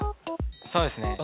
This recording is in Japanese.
そうですね